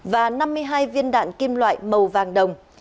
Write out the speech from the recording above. và năm mươi hai viên đạn kim loại màu vàng đồng